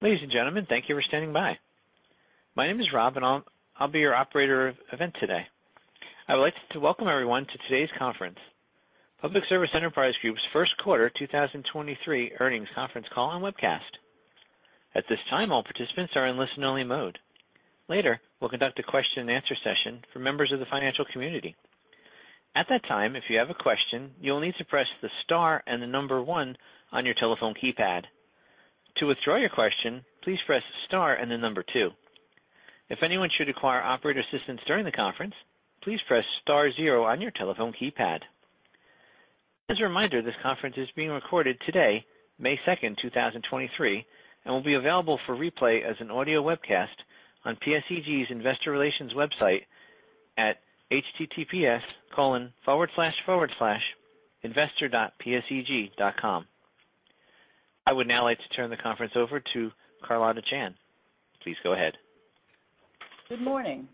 Ladies and gentlemen, thank you for standing by. My name is Rob, and I'll be your operator of event today. I would like to welcome everyone to today's conference, Public Service Enterprise Group's 1st quarter 2023 earnings conference call on webcast. At this time, all participants are in listen-only mode. Later, we'll conduct a question-and-answer session for members of the financial community. At that time, if you have a question, you'll need to press the Star and the 1 on your telephone keypad. To withdraw your question, please press Star and then 2. If anyone should require operator assistance during the conference, please press Star 0 on your telephone keypad. As a reminder, this conference is being recorded today, May 2, 2023, and will be available for replay as an audio webcast on PSEG's Investor Relations website at https://investor.pseg.com. I would now like to turn the conference over to Carlotta Chan. Please go ahead. Good morning,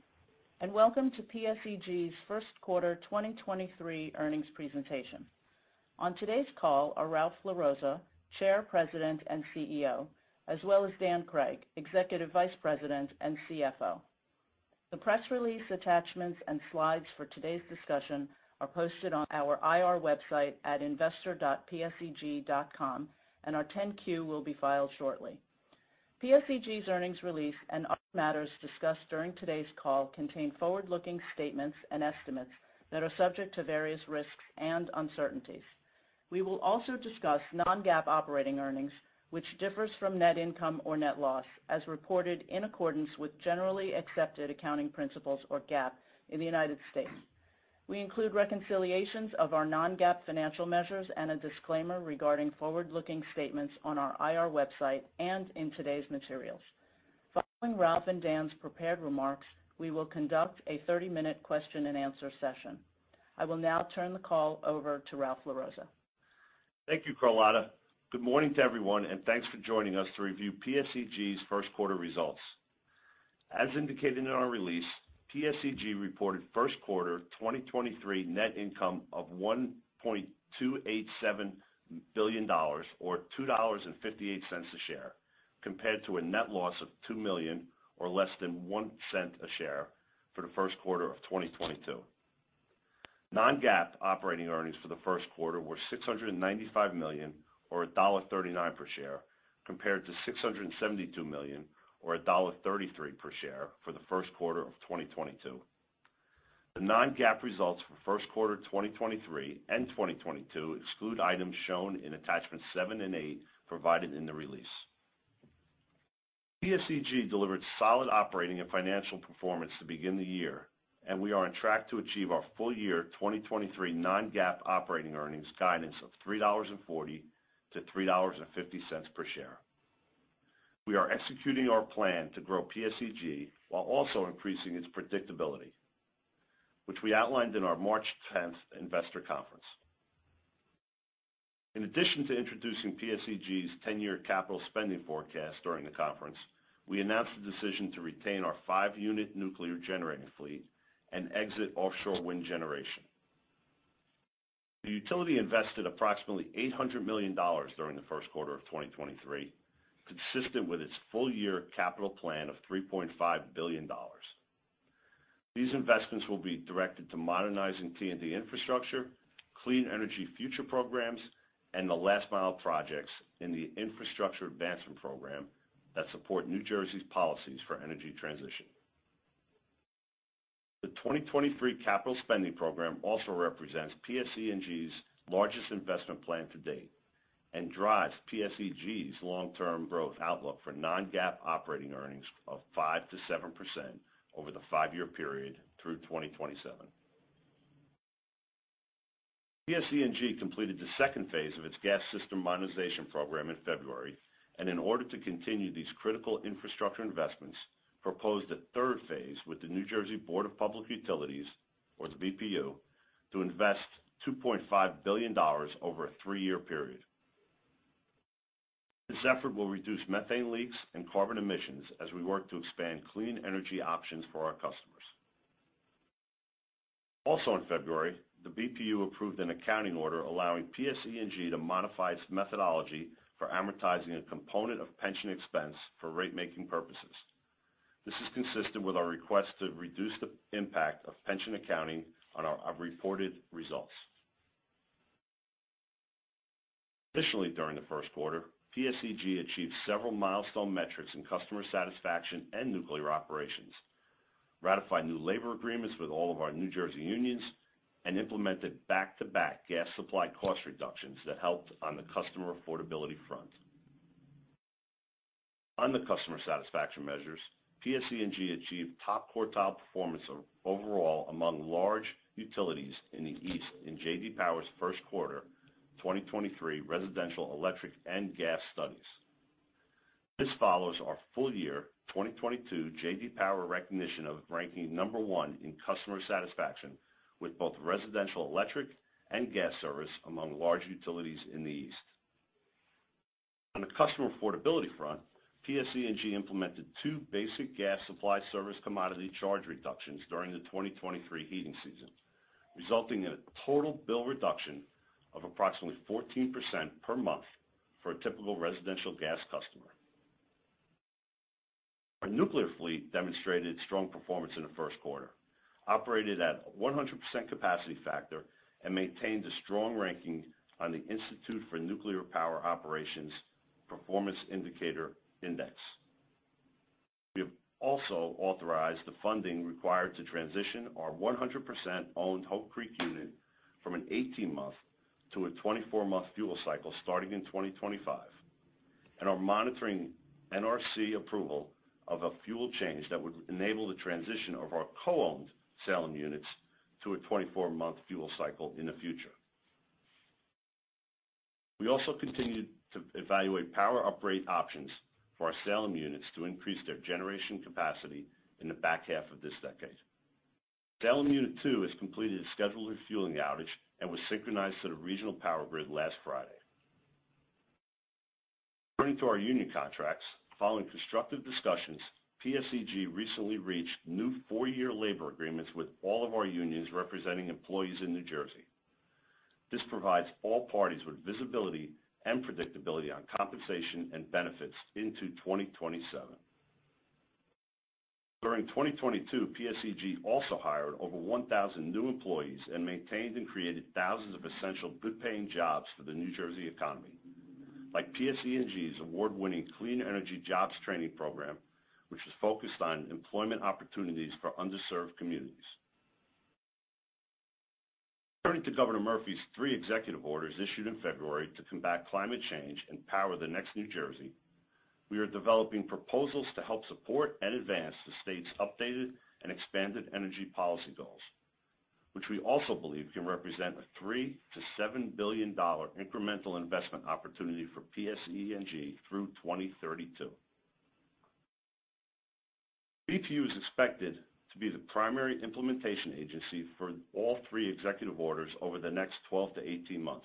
welcome to PSEG's first quarter 2023 earnings presentation. On today's call are Ralph LaRossa, Chair, President, and CEO, as well as Dan Cregg, Executive Vice President and CFO. The press release attachments and slides for today's discussion are posted on our IR website at investor.pseg.com, and our 10-Q will be filed shortly. PSEG's earnings release and other matters discussed during today's call contain forward-looking statements and estimates that are subject to various risks and uncertainties. We will also discuss non-GAAP operating earnings, which differs from net income or net loss, as reported in accordance with generally accepted accounting principles or GAAP in the United States. We include reconciliations of our non-GAAP financial measures and a disclaimer regarding forward-looking statements on our IR website and in today's materials. Following Ralph and Dan's prepared remarks, we will conduct a 30-minute question-and-answer session. I will now turn the call over to Ralph LaRossa. Thank you, Carlotta. Good morning to everyone, and thanks for joining us to review PSEG's first quarter results. As indicated in our release, PSEG reported first quarter 2023 net income of $1.287 billion or $2.58 a share, compared to a net loss of $2 million or less than $0.01 a share for the first quarter of 2022. Non-GAAP operating earnings for the first quarter were $695 million or $1.39 per share, compared to $672 million or $1.33 per share for the first quarter of 2022. The non-GAAP results for first quarter 2023 and 2022 exclude items shown in attachments seven and eight provided in the release. PSEG delivered solid operating and financial performance to begin the year, and we are on track to achieve our full year 2023 non-GAAP operating earnings guidance of $3.40-$3.50 per share. We are executing our plan to grow PSEG while also increasing its predictability, which we outlined in our March tenth investor conference. In addition to introducing PSEG's 10-year capital spending forecast during the conference, we announced the decision to retain our 5-unit nuclear generating fleet and exit offshore wind generation. The utility invested approximately $800 million during the first quarter of 2023, consistent with its full-year capital plan of $3.5 billion. These investments will be directed to modernizing T&D infrastructure, Clean Energy Future programs, and the last mile projects in the Infrastructure Advancement Program that support New Jersey's policies for energy transition. The 2023 capital spending program also represents PSEG's largest investment plan to date and drives PSEG's long-term growth outlook for non-GAAP operating earnings of 5%-7% over the 5-year period through 2027. PSEG completed the second phase of its Gas System Modernization Program in February, in order to continue these critical infrastructure investments, proposed a third phase with the New Jersey Board of Public Utilities or the BPU, to invest $2.5 billion over a 3-year period. This effort will reduce methane leaks and carbon emissions as we work to expand clean energy options for our customers. In February, the BPU approved an accounting order allowing PSEG to modify its methodology for amortizing a component of pension expense for rate-making purposes. This is consistent with our request to reduce the impact of pension accounting on our reported results. Additionally, during the first quarter, PSEG achieved several milestone metrics in customer satisfaction and nuclear operations, ratified new labor agreements with all of our New Jersey unions, and implemented back-to-back gas supply cost reductions that helped on the customer affordability front. On the customer satisfaction measures, PSEG achieved top quartile performance overall among large utilities in the East in J.D. Power's first quarter 2023 residential electric and gas studies. This follows our full year 2022 J.D. Power recognition of ranking number one in customer satisfaction with both residential electric and gas service among large utilities in the East. On the customer affordability front, PSEG implemented two basic gas supply service commodity charge reductions during the 2023 heating season, resulting in a total bill reduction of approximately 14% per month for a typical residential gas customer. Our nuclear fleet demonstrated strong performance in the first quarter, operated at 100% capacity factor, and maintained a strong ranking on the Institute of Nuclear Power Operations Performance Indicator Index. We have also authorized the funding required to transition our 100% owned Hope Creek unit from an 18-month to a 24-month fuel cycle starting in 2025. Are monitoring NRC approval of a fuel change that would enable the transition of our co-owned Salem units to a 24-month fuel cycle in the future. We also continued to evaluate power upgrade options for our Salem units to increase their generation capacity in the back half of this decade. Salem Unit Two has completed its scheduled refueling outage and was synchronized to the regional power grid last Friday. According to our union contracts, following constructive discussions, PSEG recently reached new 4-year labor agreements with all of our unions representing employees in New Jersey. This provides all parties with visibility and predictability on compensation and benefits into 2027. During 2022, PSEG also hired over 1,000 new employees and maintained and created thousands of essential good paying jobs for the New Jersey economy. Like PSEG's award-winning Clean Energy Jobs Training Program, which is focused on employment opportunities for underserved communities. According to Governor Murphy's three executive orders issued in February to combat climate change and power the next New Jersey, we are developing proposals to help support and advance the state's updated and expanded energy policy goals. Which we also believe can represent a $3 billion-$7 billion incremental investment opportunity for PSEG through 2032. BPU is expected to be the primary implementation agency for all 3 executive orders over the next 12-18 months.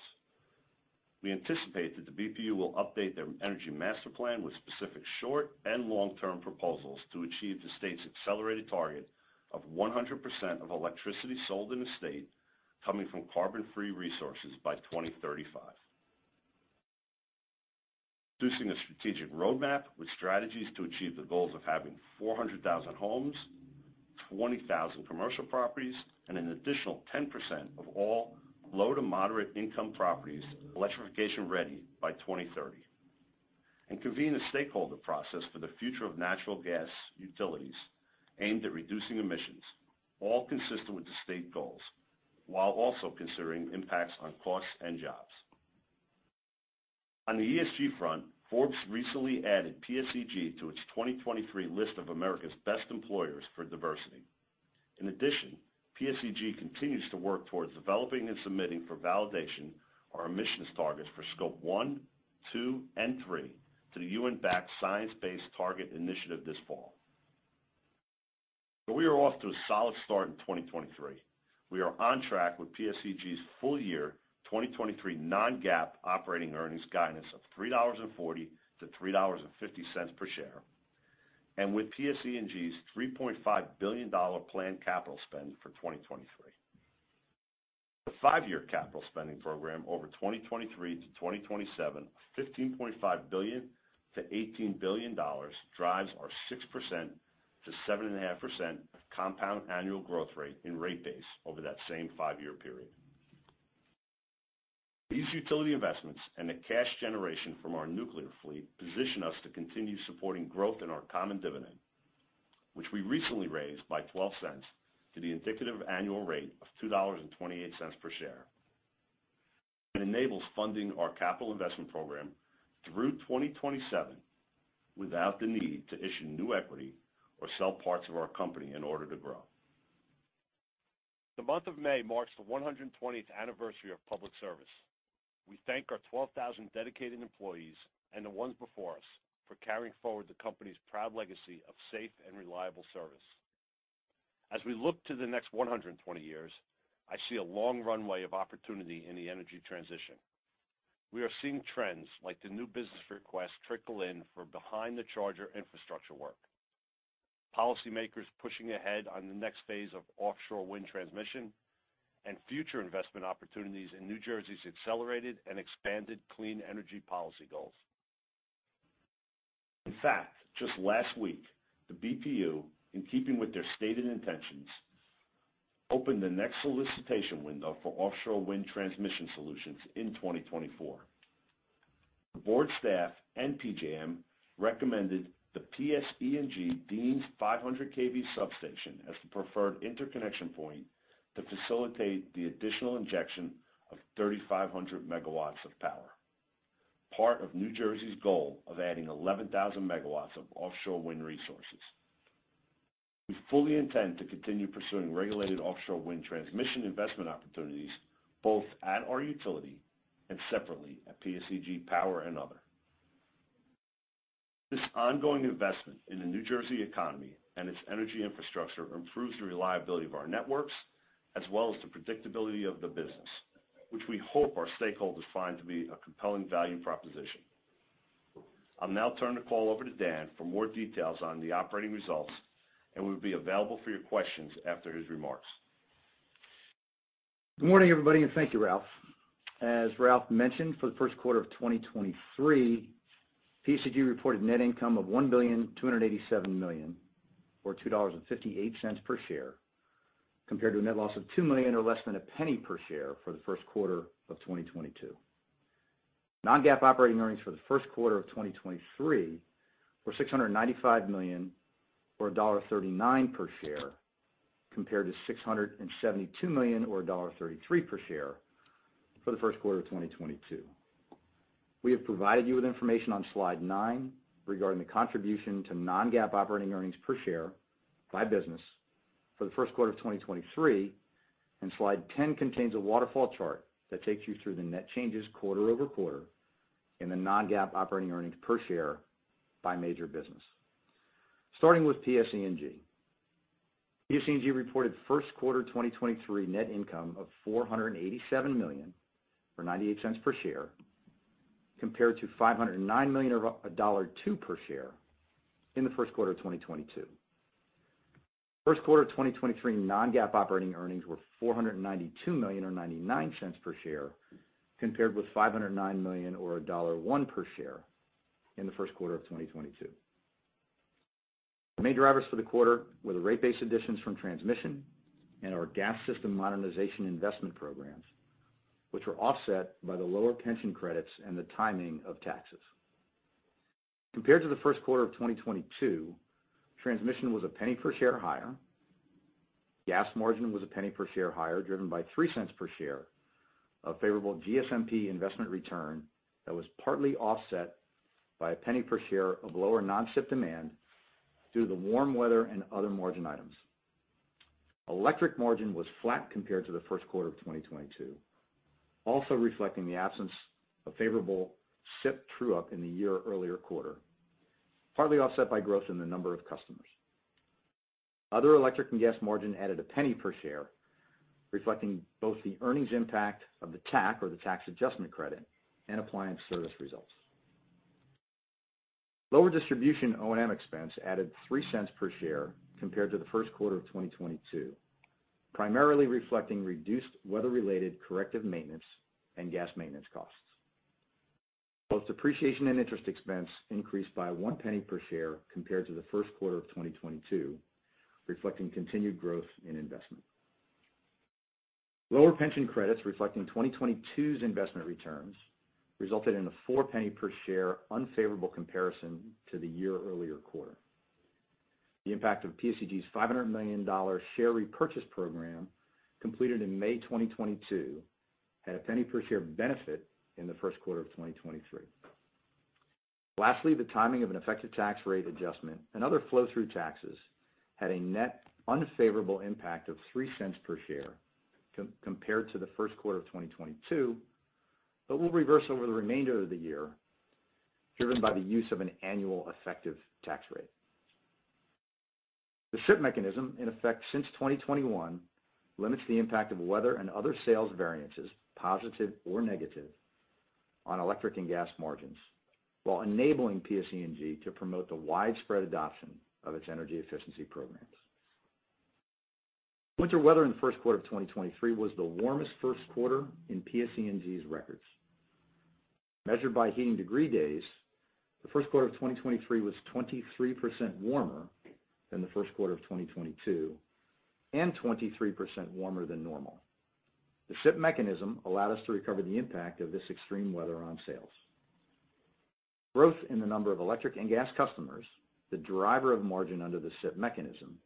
We anticipate that the BPU will update their Energy Master Plan with specific short and long-term proposals to achieve the state's accelerated target of 100% of electricity sold in the state coming from carbon-free resources by 2035. Producing a strategic roadmap with strategies to achieve the goals of having 400,000 homes, 20,000 commercial properties, and an additional 10% of all low to moderate income properties electrification ready by 2030. Convene a stakeholder process for the future of natural gas utilities aimed at reducing emissions, all consistent with the state goals, while also considering impacts on costs and jobs. On the ESG front, Forbes recently added PSEG to its 2023 list of America's best employers for diversity. In addition, PSEG continues to work towards developing and submitting for validation our emissions targets for scope one, two, and three to the UN-backed Science Based Targets initiative this fall. We are off to a solid start in 2023. We are on track with PSEG's full year 2023 non-GAAP operating earnings guidance of $3.40-$3.50 per share, and with PSEG's $3.5 billion planned capital spend for 2023. The five-year capital spending program over 2023 to 2027, $15.5 billion-$18 billion, drives our 6%-7.5% compound annual growth rate and rate base over that same five-year period. These utility investments and the cash generation from our nuclear fleet position us to continue supporting growth in our common dividend, which we recently raised by 12 cents to the indicative annual rate of $2.28 per share. It enables funding our capital investment program through 2027 without the need to issue new equity or sell parts of our company in order to grow. The month of May marks the 120th anniversary of Public Service. We thank our 12,000 dedicated employees and the ones before us for carrying forward the company's proud legacy of safe and reliable service. As we look to the next 120 years, I see a long runway of opportunity in the energy transition. We are seeing trends like the new business requests trickle in for behind the charger infrastructure work, policymakers pushing ahead on the next phase of offshore wind transmission, and future investment opportunities in New Jersey's accelerated and expanded clean energy policy goals. In fact, just last week, the BPU, in keeping with their stated intentions, opened the next solicitation window for offshore wind transmission solutions in 2024. The board staff and PJM recommended the PSEG Deans 500 KV substation as the preferred interconnection point to facilitate the additional injection of 3,500 megawatts of power. Part of New Jersey's goal of adding 11,000 megawatts of offshore wind resources. We fully intend to continue pursuing regulated offshore wind transmission investment opportunities both at our utility and separately at PSEG Power and other. This ongoing investment in the New Jersey economy and its energy infrastructure improves the reliability of our networks as well as the predictability of the business, which we hope our stakeholders find to be a compelling value proposition. I'll now turn the call over to Dan for more details on the operating results, and we'll be available for your questions after his remarks. Good morning, everybody. Thank you, Ralph LaRossa. As Ralph LaRossa mentioned, for the first quarter of 2023, PSEG reported net income of $1,287 million or $2.58 per share, compared to a net loss of $2 million or less than a penny per share for the first quarter of 2022. Non-GAAP operating earnings for the first quarter of 2023 were $695 million or $1.39 per share, compared to $672 million or $1.33 per share for the first quarter of 2022. We have provided you with information on slide 9 regarding the contribution to non-GAAP operating earnings per share by business for the first quarter of 2023. Slide 10 contains a waterfall chart that takes you through the net changes quarter-over-quarter in the non-GAAP operating earnings per share by major business. Starting with PSE&G. PSE&G reported first quarter 2023 net income of $487 million or $0.98 per share, compared to $509 million or $1.02 per share in the first quarter of 2022. First quarter of 2023 non-GAAP operating earnings were $492 million or $0.99 per share, compared with $509 million or $1.01 per share in the first quarter of 2022. The main drivers for the quarter were the rate base additions from transmission and our gas system modernization investment programs, which were offset by the lower pension credits and the timing of taxes. Compared to the first quarter of 2022, transmission was $0.01 per share higher. Gas margin was $0.01 per share higher, driven by $0.03 per share of favorable GSMP investment return that was partly offset by $0.01 per share of lower non-SIP demand due to the warm weather and other margin items. Electric margin was flat compared to the first quarter of 2022, also reflecting the absence of favorable SIP true-up in the year earlier quarter, partly offset by growth in the number of customers. Other electric and gas margin added $0.01 per share, reflecting both the earnings impact of the TAC, or the Tax Adjustment Credit, and appliance service results. Lower distribution O&M expense added 3 cents per share compared to the first quarter of 2022, primarily reflecting reduced weather-related corrective maintenance and gas maintenance costs. Both depreciation and interest expense increased by 1 penny per share compared to the first quarter of 2022, reflecting continued growth in investment. Lower pension credits reflecting 2022's investment returns resulted in a 4 penny per share unfavorable comparison to the year earlier quarter. The impact of PSEG's $500 million share repurchase program completed in May 2022 had a 1 penny per share benefit in the first quarter of 2023. Lastly, the timing of an effective tax rate adjustment and other flow-through taxes had a net unfavorable impact of $0.03 per share compared to the first quarter of 2022, but will reverse over the remainder of the year, driven by the use of an annual effective tax rate. The SIP mechanism, in effect since 2021, limits the impact of weather and other sales variances, positive or negative, on electric and gas margins, while enabling PSE&G to promote the widespread adoption of its energy efficiency programs. Winter weather in the first quarter of 2023 was the warmest first quarter in PSE&G's records. Measured by heating degree days, the first quarter of 2023 was 23% warmer than the first quarter of 2022 and 23% warmer than normal. The SIP mechanism allowed us to recover the impact of this extreme weather on sales. Growth in the number of electric and gas customers, the driver of margin under the SIP mechanism,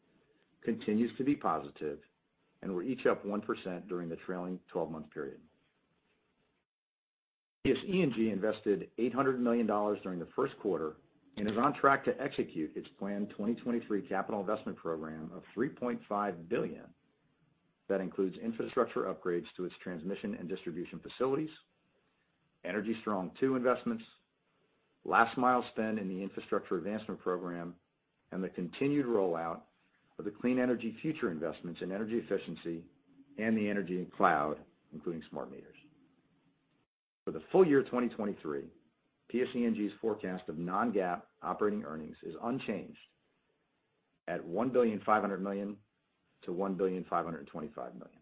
continues to be positive and were each up 1% during the trailing 12-month period. PSE&G invested $800 million during the first quarter and is on track to execute its planned 2023 capital investment program of $3.5 billion that includes infrastructure upgrades to its transmission and distribution facilities, Energy Strong II investments, last mile spend in the Infrastructure Advancement Program, and the continued rollout of the Clean Energy Future investments in energy efficiency and the Energy Cloud, including smart meters. For the full year 2023, PSE&G's forecast of non-GAAP operating earnings is unchanged at $1.5 billion-$1.525 billion.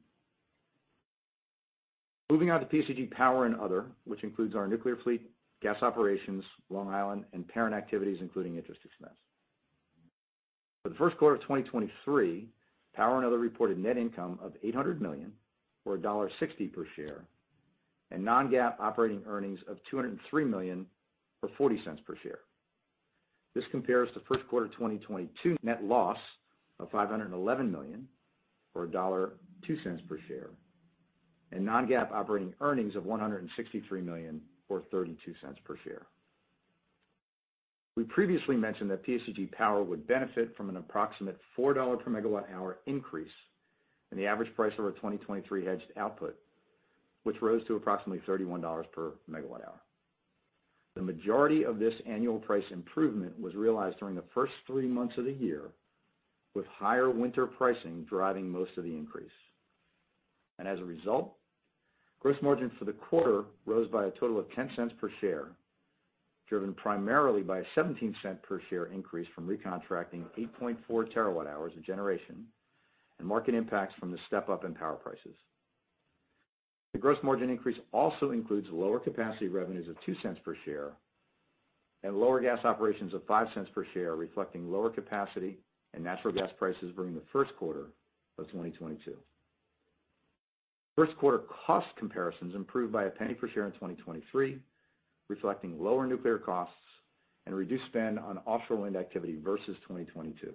Moving on to PSEG Power and Other, which includes our nuclear fleet, gas operations, Long Island, and parent activities, including interest expense. For the first quarter of 2023, Power and Other reported net income of $800 million or $1.60 per share and non-GAAP operating earnings of $203 million or $0.40 per share. This compares to first quarter 2022 net loss of $511 million or $1.02 per share, and non-GAAP operating earnings of $163 million or $0.32 per share. We previously mentioned that PSEG Power would benefit from an approximate $4 per megawatt hour increase in the average price of our 2023 hedged output, which rose to approximately $31 per megawatt hour. The majority of this annual price improvement was realized during the first three months of the year, with higher winter pricing driving most of the increase. As a result, gross margin for the quarter rose by a total of $0.10 per share, driven primarily by a $0.17 per share increase from recontracting 8.4 terawatt-hours of generation and market impacts from the step-up in power prices. The gross margin increase also includes lower capacity revenues of $0.02 per share and lower gas operations of $0.05 per share, reflecting lower capacity and natural gas prices during the first quarter of 2022. First quarter cost comparisons improved by $0.01 per share in 2023, reflecting lower nuclear costs and reduced spend on offshore wind activity versus 2022.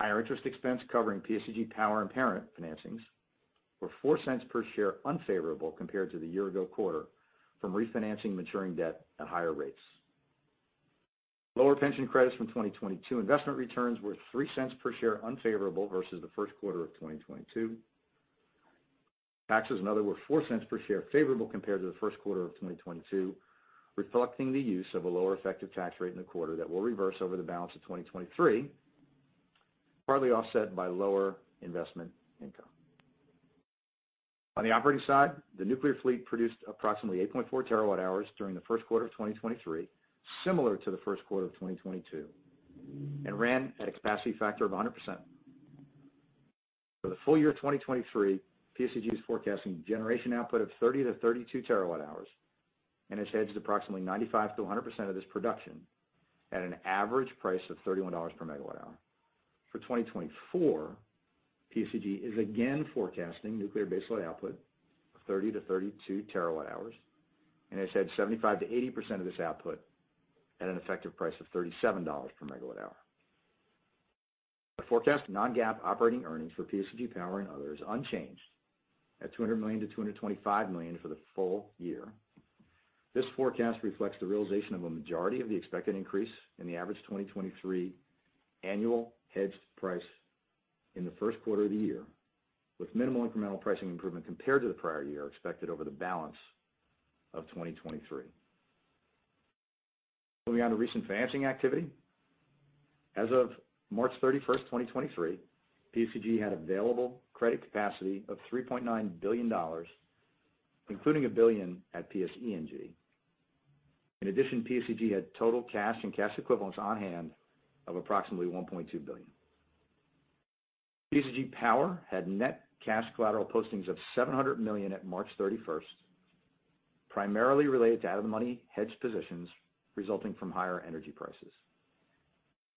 Higher interest expense covering PSEG Power and parent financings were $0.04 per share unfavorable compared to the year ago quarter from refinancing maturing debt at higher rates. Lower pension credits from 2022 investment returns were $0.03 per share unfavorable versus the first quarter of 2022. Taxes and other were $0.04 per share favorable compared to the first quarter of 2022, reflecting the use of a lower effective tax rate in the quarter that will reverse over the balance of 2023, partly offset by lower investment income. On the operating side, the nuclear fleet produced approximately 8.4 terawatt-hours during the first quarter of 2023, similar to the first quarter of 2022, and ran at a capacity factor of 100%. For the full year of 2023, PSEG is forecasting generation output of 30-32 terawatt-hours and has hedged approximately 95%-100% of this production at an average price of $31 per megawatt hour. For 2024, PSEG is again forecasting nuclear baseload output of 30-32 terawatt-hours, and has hedged 75%-80% of this output at an effective price of $37 per megawatt hour. The forecast non-GAAP operating earnings for PSEG Power and others unchanged at $200 million-$225 million for the full year. This forecast reflects the realization of a majority of the expected increase in the average 2023 annual hedged price in the first quarter of the year, with minimal incremental pricing improvement compared to the prior year expected over the balance of 2023. Moving on to recent financing activity. As of March 31st, 2023, PSEG had available credit capacity of $3.9 billion, including $1 billion at PSE&G. In addition, PSEG had total cash and cash equivalents on hand of approximately $1.2 billion. PSEG Power had net cash collateral postings of $700 million at March 31st, primarily related to out of the money hedged positions resulting from higher energy prices.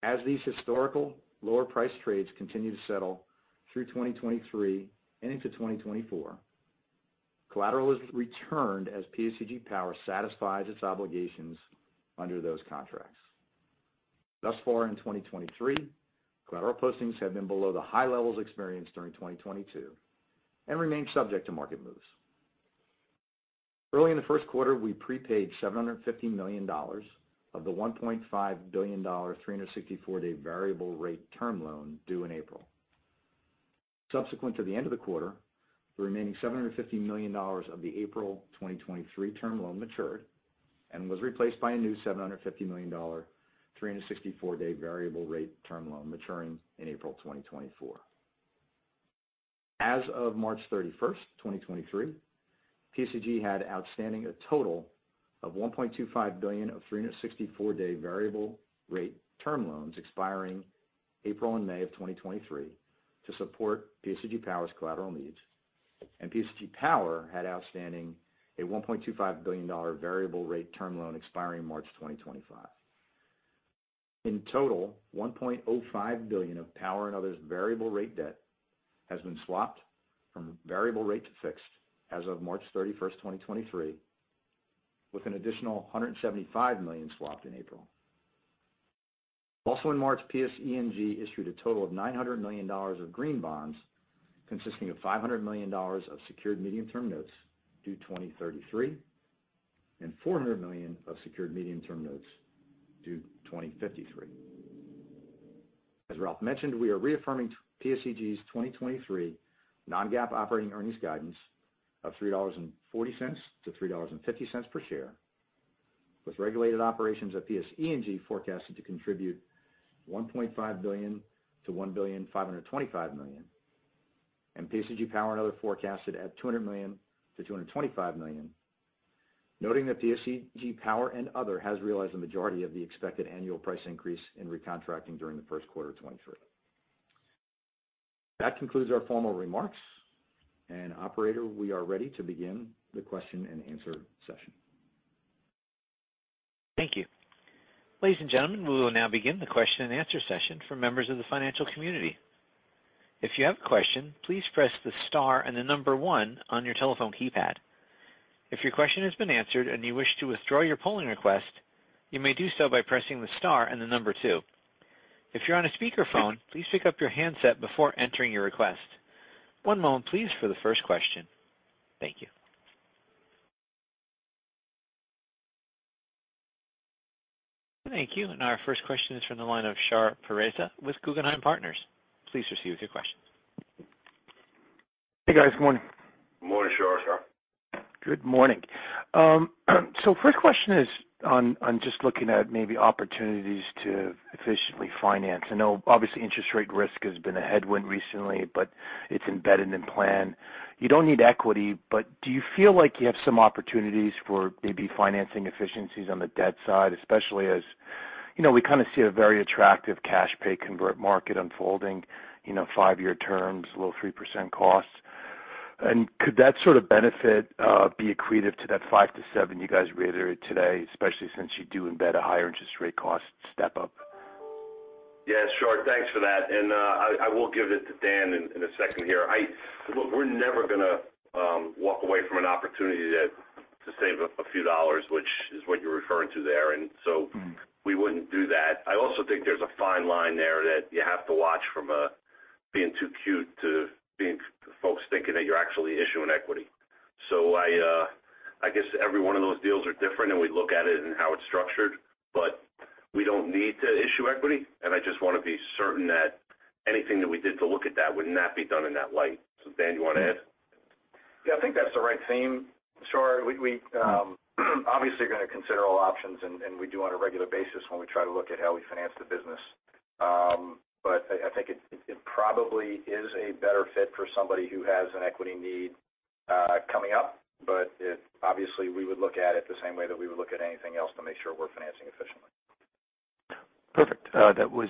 As these historical lower price trades continue to settle through 2023 and into 2024, collateral is returned as PSEG Power satisfies its obligations under those contracts. Thus far in 2023, collateral postings have been below the high levels experienced during 2022 and remain subject to market moves. Early in the first quarter, we prepaid $750 million of the $1.5 billion 364-day variable rate term loan due in April. Subsequent to the end of the quarter, the remaining $750 million of the April 2023 term loan matured and was replaced by a new $750 million 364-day variable rate term loan maturing in April 2024. As of March 31, 2023, PSEG had outstanding a total of $1.25 billion of 364-day variable rate term loans expiring April and May of 2023 to support PSEG Power's collateral needs. PSEG Power had outstanding a $1.25 billion variable rate term loan expiring in March 2025. In total, $1.05 billion of Power and others variable rate debt has been swapped from variable rate to fixed as of March 31, 2023, with an additional $175 million swapped in April. Also in March, PSE&G issued a total of $900 million of green bonds, consisting of $500 million of secured medium-term notes due 2033 and $400 million of secured medium-term notes due 2053. As Ralph LaRossa mentioned, we are reaffirming PSEG's 2023 non-GAAP operating earnings guidance of $3.40-$3.50 per share, with regulated operations at PSE&G forecasted to contribute $1.5 billion-$1.525 billion, and PSEG Power and Other forecasted at $200 million-$225 million, noting that PSEG Power and Other has realized the majority of the expected annual price increase in recontracting during the first quarter of 2023. That concludes our formal remarks. Operator, we are ready to begin the question-and-answer session. Thank you. Ladies and gentlemen, we will now begin the question-and-answer session for members of the financial community. If you have a question, please press the star and the 1 on your telephone keypad. If your question has been answered and you wish to withdraw your polling request, you may do so by pressing the star and the 2. If you're on a speakerphone, please pick up your handset before entering your request. One moment please for the first question. Thank you. Our first question is from the line of Shar Pourreza with Guggenheim Securities. Please proceed with your question. Hey, guys. Good morning. Morning, Shar. Good morning. First question is on just looking at maybe opportunities to efficiently finance. I know obviously interest rate risk has been a headwind recently, but it's embedded in plan. You don't need equity, but do you feel like you have some opportunities for maybe financing efficiencies on the debt side, especially as, you know, we kinda see a very attractive cash pay convert market unfolding, you know, 5-year terms, low 3% costs. Could that sort of benefit be accretive to that 5-7 you guys reiterated today, especially since you do embed a higher interest rate cost step up? Yeah, Shar, thanks for that. I will give it to Dan in a second here. We're never gonna walk away from an opportunity to save a few dollars, which is what you're referring to there. Mm-hmm... we wouldn't do that. I also think there's a fine line there that you have to watch from being too cute to being folks thinking that you're actually issuing equity. I guess every one of those deals are different, and we look at it in how it's structured. We don't need to issue equity, and I just wanna be certain that anything that we did to look at that would not be done in that light. Dan, you wanna add? Yeah, I think that's the right theme. Shar, we obviously are gonna consider all options and we do on a regular basis when we try to look at how we finance the business. I think it probably is a better fit for somebody who has an equity need coming up. Obviously, we would look at it the same way that we would look at anything else to make sure we're financing efficiently. Perfect. That was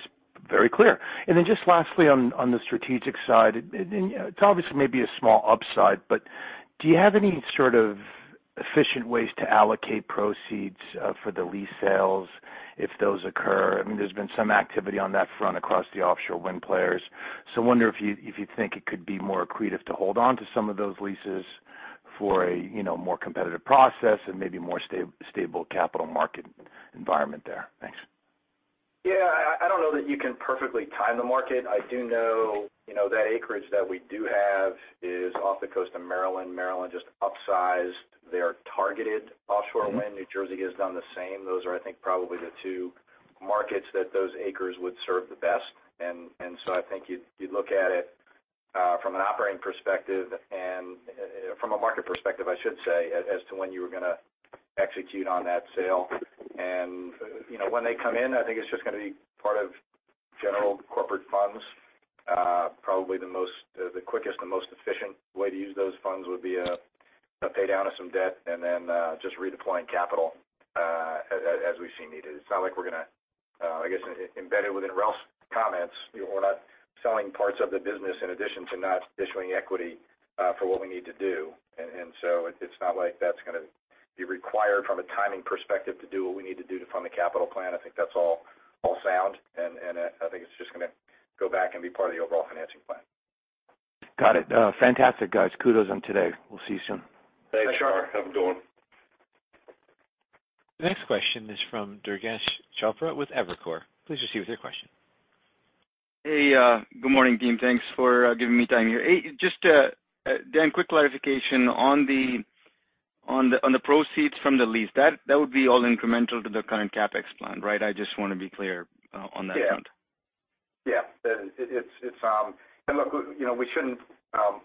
very clear. Just lastly on the strategic side, it's obviously maybe a small upside, but do you have any sort of efficient ways to allocate proceeds for the lease sales if those occur? I mean, there's been some activity on that front across the offshore wind players. I wonder if you, if you think it could be more accretive to hold on to some of those leases for a, you know, more competitive process and maybe more stable capital market environment there. Thanks. Yeah. I don't know that you can perfectly time the market. I do know, you know, that acreage that we do have is off the coast of Maryland. Maryland just upsized their targeted offshore wind. New Jersey has done the same. Those are, I think, probably the two markets that those acres would serve the best. I think you'd look at it from an operating perspective and from a market perspective, I should say, as to when you were gonna execute on that sale. You know, when they come in, I think it's just gonna be part of general corporate funds. Probably the quickest and most efficient way to use those funds would be a pay down of some debt and then just redeploying capital as we see needed. It's not like we're gonna, I guess embedded within Ralph's comments, we're not selling parts of the business in addition to not issuing equity for what we need to do. It's not like that's gonna be required from a timing perspective to do what we need to do to fund the capital plan. I think that's all sound, and I think it's just gonna go back and be part of the overall financing plan. Got it. fantastic, guys. Kudos on today. We'll see you soon. Thanks, Shar. Have a good one. Thanks, Shar. The next question is from Durgesh Chopra with Evercore. Please proceed with your question. Hey, good morning, team. Thanks for giving me time here. Hey, just, Dan, quick clarification on the proceeds from the lease. That would be all incremental to the current CapEx plan, right? I just wanna be clear, on that front. Yeah. Yeah. It's... Look, you know, we shouldn't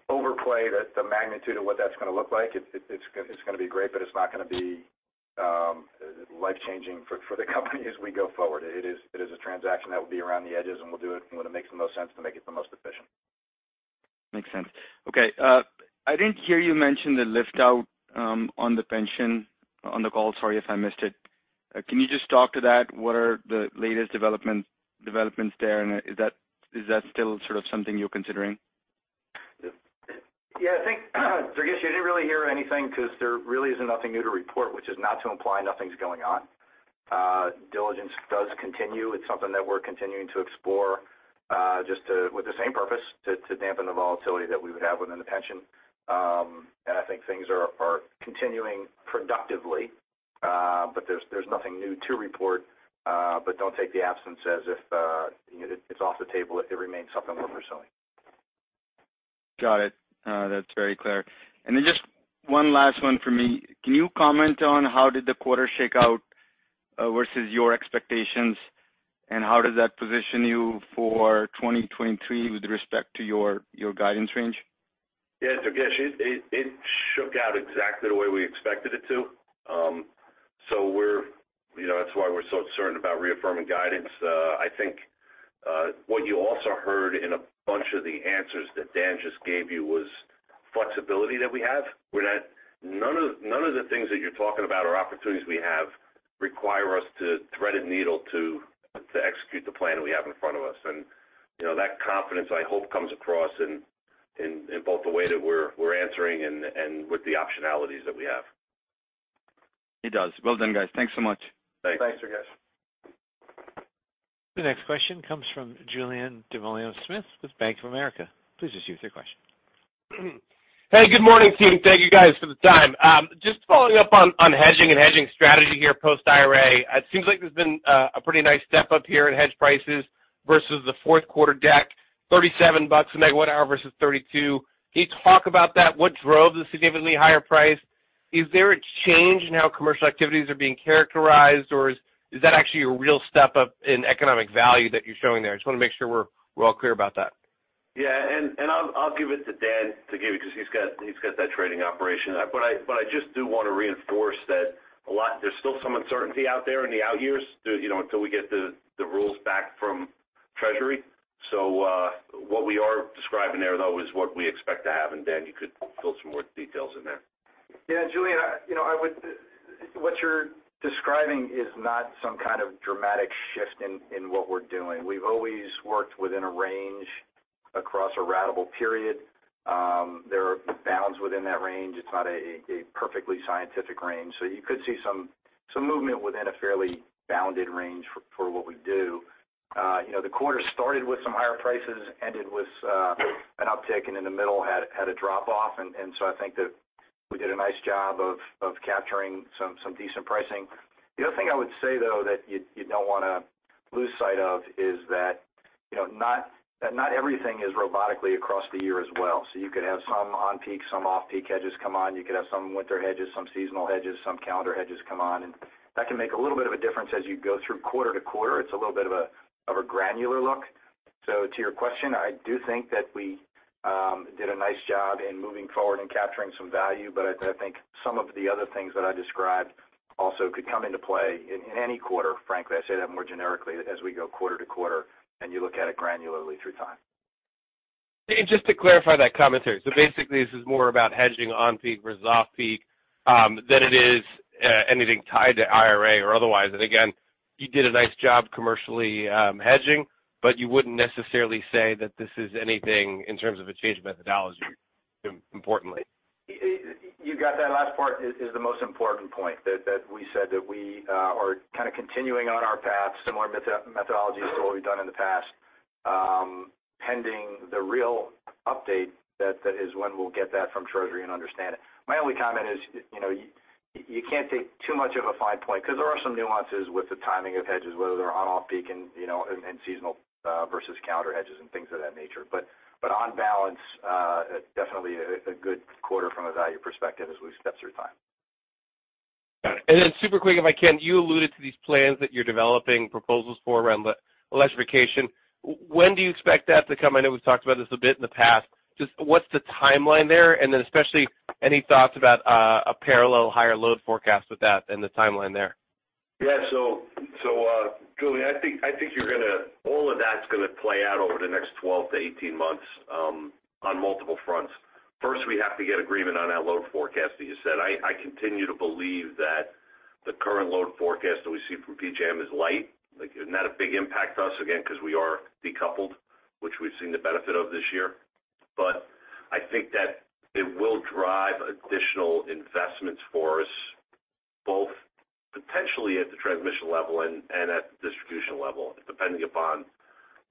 overplay the magnitude of what that's gonna look like. It's gonna be great, but it's not gonna be life-changing for the company as we go forward. It is a transaction that will be around the edges, and we'll do it when it makes the most sense to make it the most efficient. Makes sense. Okay, I didn't hear you mention the lift out on the pension on the call. Sorry if I missed it. Can you just talk to that? What are the latest developments there, and is that still sort of something you're considering? Yeah, I think, Durgesh, you didn't really hear anything because there really isn't nothing new to report, which is not to imply nothing's going on. Diligence does continue. It's something that we're continuing to explore, with the same purpose, to dampen the volatility that we would have within the pension. I think things are continuing productively, there's nothing new to report. Don't take the absence as if, you know, it's off the table. It remains something worth pursuing. Got it. That's very clear. Then just one last one for me. Can you comment on how did the quarter shake out versus your expectations, and how does that position you for 2023 with respect to your guidance range? Yeah, Durgesh, it shook out exactly the way we expected it to. We're you know, that's why we're so certain about reaffirming guidance. I think what you also heard in a bunch of the answers that Dan just gave you was flexibility that we have. We're not none of the things that you're talking about or opportunities we have require us to thread a needle to execute the plan that we have in front of us. You know, that confidence, I hope, comes across in both the way that we're answering and with the optionalities that we have. It does. Well done, guys. Thanks so much. Thanks. Thanks, Durgesh. The next question comes from Julien Dumoulin-Smith with Bank of America. Please proceed with your question. Hey, good morning, team. Thank you guys for the time. Just following up on hedging and hedging strategy here post IRA. It seems like there's been a pretty nice step up here in hedge prices versus the fourth quarter deck. $37 a megawatt hour versus $32. Can you talk about that? What drove the significantly higher price? Is there a change in how commercial activities are being characterized, or is that actually a real step up in economic value that you're showing there? I just want to make sure we're all clear about that. Yeah. I'll give it to Dan to give you because he's got that trading operation. I just do want to reinforce that there's still some uncertainty out there in the outyears, you know, until we get the rules back from Treasury. What we are describing there though is what we expect to have. Dan, you could fill some more details in there. Yeah, Julien, you know, what you're describing is not some kind of dramatic shift in what we're doing. We've always worked within a range across a ratable period. There are bounds within that range. It's not a perfectly scientific range. You could see some movement within a fairly bounded range for what we do. You know, the quarter started with some higher prices, ended with an uptick, and in the middle had a drop-off. I think that we did a nice job of capturing some decent pricing. The other thing I would say, though, that you don't wanna lose sight of is that, you know, not everything is robotically across the year as well. You could have some on-peak, some off-peak hedges come on. You could have some winter hedges, some seasonal hedges, some calendar hedges come on, and that can make a little bit of a difference as you go through quarter to quarter. It's a little bit of a granular look. To your question, I do think that we did a nice job in moving forward and capturing some value. I think some of the other things that I described also could come into play in any quarter, frankly. I say that more generically as we go quarter to quarter and you look at it granularly through time. Just to clarify that commentary. Basically, this is more about hedging on-peak versus off-peak, than it is anything tied to IRA or otherwise. Again, you did a nice job commercially, hedging, but you wouldn't necessarily say that this is anything in terms of a change of methodology, importantly. You got that last part is the most important point, that we said that we are kind of continuing on our path, similar methodology to what we've done in the past, pending the real update. That is when we'll get that from Treasury and understand it. My only comment is, you know, you can't take too much of a fine point because there are some nuances with the timing of hedges, whether they're on off-peak and, you know, and seasonal, versus calendar hedges and things of that nature. On balance, definitely a good quarter from a value perspective as we step through time. Got it. Super quick, if I can. You alluded to these plans that you're developing proposals for around the electrification. When do you expect that to come? I know we've talked about this a bit in the past. Just what's the timeline there? Especially any thoughts about a parallel higher load forecast with that and the timeline there. Yeah. Julien, I think all of that's gonna play out over the next 12-18 months on multiple fronts. First, we have to get agreement on that load forecast that you said. I continue to believe that the current load forecast that we see from PJM is light. Like, not a big impact to us, again, because we are decoupled, which we've seen the benefit of this year. I think that it will drive additional investments for us, both potentially at the transmission level and at the distribution level, depending upon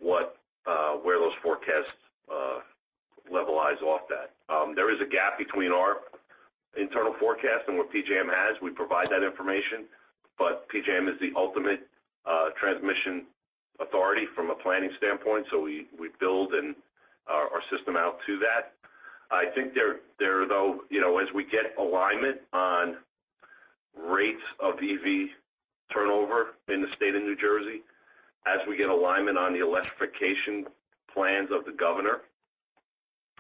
what where those forecasts levelize off that. There is a gap between our internal forecast and what PJM has. We provide that information, but PJM is the ultimate transmission authority from a planning standpoint, so we build our system out to that. I think there though, you know, as we get alignment on rates of EV turnover in the state of New Jersey, as we get alignment on the electrification plans of the governor,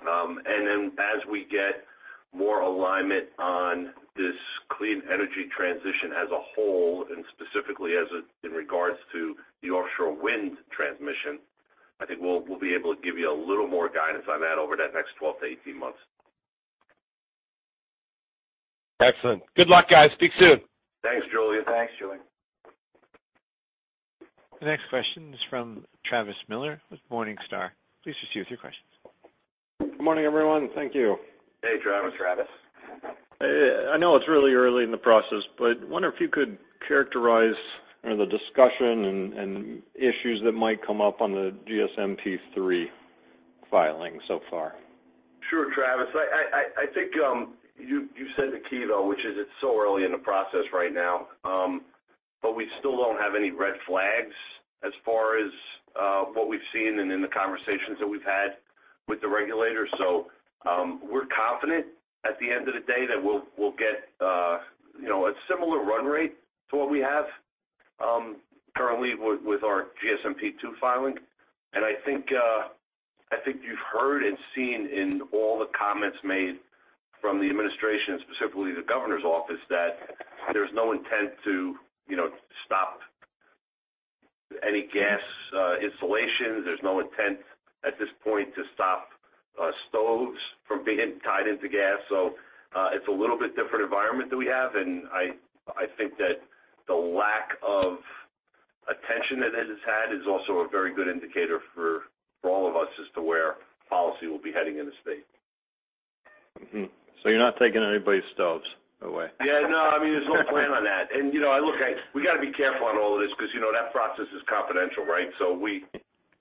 and then as we get more alignment on this clean energy transition as a whole and specifically as it in regards to the offshore wind transmission, I think we'll be able to give you a little more guidance on that over that next 12 to 18 months. Excellent. Good luck, guys. Speak soon. Thanks, Julien. Thanks, Julien. The next question is from Travis Miller with Morningstar. Please proceed with your questions. Good morning, everyone. Thank you. Hey, Travis. Travis. I know it's really early in the process, but I wonder if you could characterize the discussion and issues that might come up on the GSMP3 filing so far. Sure, Travis. I think you said the key though, which is it's so early in the process right now. We still don't have any red flags as far as what we've seen and in the conversations that we've had with the regulators. We're confident at the end of the day that we'll get, you know, a similar run rate to what we have currently with our GSMP2 filing. I think you've heard and seen in all the comments made from the administration, specifically the Governor's office, that there's no intent to, you know, stop any gas installations. There's no intent at this point to stop stoves from being tied into gas. It's a little bit different environment that we have, and I think that the lack of attention that it has had is also a very good indicator for all of us as to where policy will be heading in the state. Mm-hmm. You're not taking anybody's stoves away? Yeah, no. I mean, there's no plan on that. you know, look, we gotta be careful on all of this 'cause, you know, that process is confidential, right?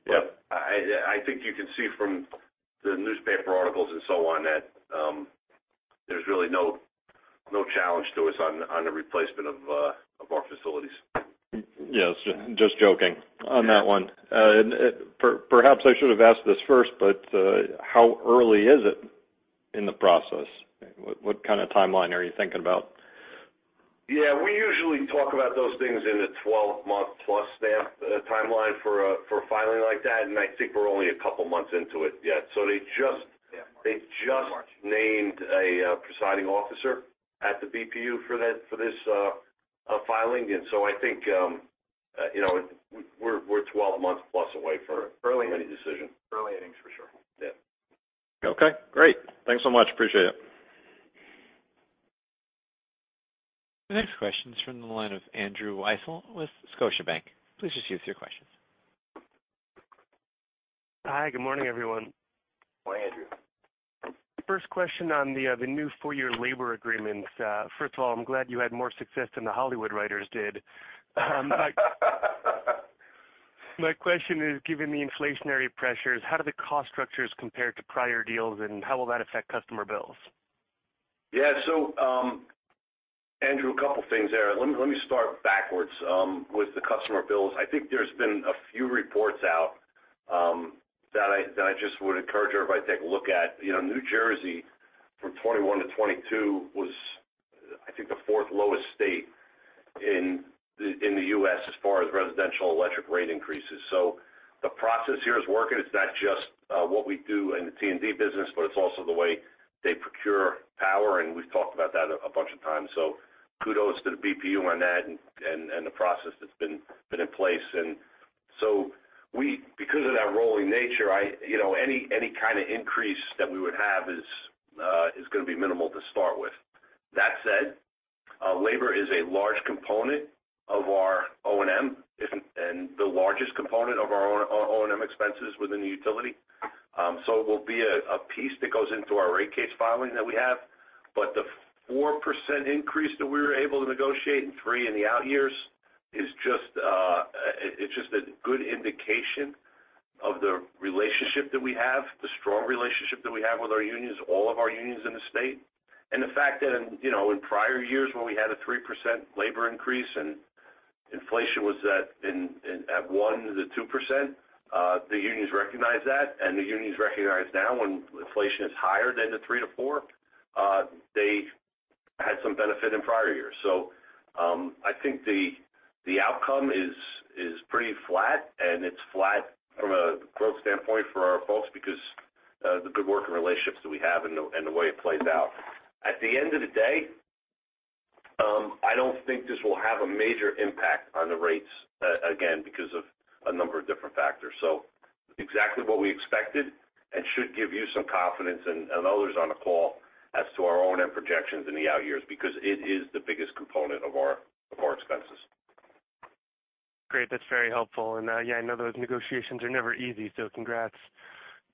Yep. I think you can see from the newspaper articles and so on that, there's really no challenge to us on the replacement of our facilities. Yes, just joking on that one. Perhaps I should have asked this first, but, how early is it in the process? What, what kind of timeline are you thinking about? Yeah, we usually talk about those things in the 12-month-plus timeline for a filing like that. I think we're only a couple months into it yet. Yeah, March. They just named a presiding officer at the BPU for this filing. I think, you know, we're 12 months plus away from- Early innings any decision. Early innings for sure. Yeah. Okay, great. Thanks so much. Appreciate it. The next question is from the line of Andrew Weisel with Scotiabank. Please just give us your question. Hi, good morning, everyone. Good morning, Andrew. First question on the new four-year labor agreement. First of all, I'm glad you had more success than the Hollywood writers did. My question is, given the inflationary pressures, how do the cost structures compare to prior deals, and how will that affect customer bills? Andrew, a couple things there. Let me, let me start backwards with the customer bills. I think there's been a few reports out that I just would encourage everybody to take a look at. You know, New Jersey from 2021 to 2022 was, I think the fourth lowest state in the U.S. as far as residential electric rate increases. The process here is working. It's not just what we do in the T&D business, but it's also the way they procure power, and we've talked about that a bunch of times. Kudos to the BPU on that and the process that's been in place. Because of that rolling nature, you know, any kind of increase that we would have is gonna be minimal to start with. That said, labor is a large component of our O&M, and the largest component of our O&M expenses within the utility. It will be a piece that goes into our rate case filing that we have. The 4% increase that we were able to negotiate, and 3% in the out years is just a good indication of the relationship that we have, the strong relationship that we have with our unions, all of our unions in the state. The fact that, you know, in prior years, when we had a 3% labor increase and inflation was at 1%-2%, the unions recognized that. The unions recognize now when inflation is higher than 3%-4%, they had some benefit in prior years. I think the outcome is pretty flat, and it's flat from a growth standpoint for our folks because the good working relationships that we have and the, and the way it plays out. At the end of the day, I don't think this will have a major impact on the rates, again, because of a number of different factors. Exactly what we expected and should give you some confidence and others on the call as to our O&M projections in the out years, because it is the biggest component of our expenses. Great. That's very helpful. Yeah, I know those negotiations are never easy, so congrats.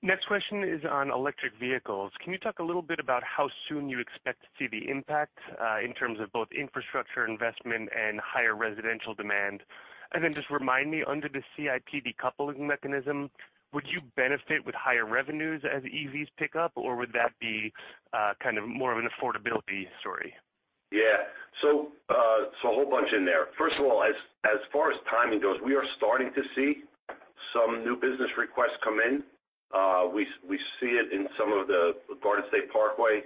Next question is on electric vehicles. Can you talk a little bit about how soon you expect to see the impact in terms of both infrastructure investment and higher residential demand? Just remind me, under the CIP decoupling mechanism, would you benefit with higher revenues as EVs pick up, or would that be kind of more of an affordability story? A whole bunch in there. First of all, as far as timing goes, we are starting to see some new business requests come in. We see it in some of the Garden State Parkway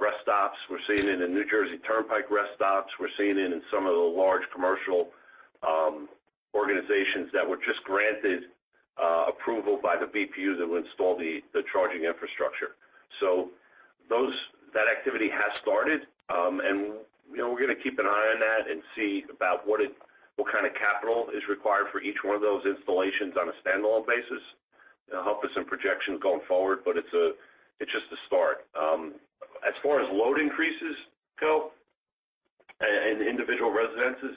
rest stops. We're seeing it in New Jersey Turnpike rest stops. We're seeing it in some of the large commercial organizations that were just granted approval by the BPU that will install the charging infrastructure. That activity has started. And, you know, we're gonna keep an eye on that and see about what kind of capital is required for each one of those installations on a standalone basis. It'll help with some projections going forward, but it's just a start. As far as load increases go and individual residences,